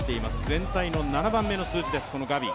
全体の７番目の数字です、ガビ。